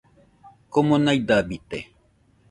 komo naidabide